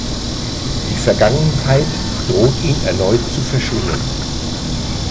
Die Vergangenheit droht ihn erneut zu verschlingen.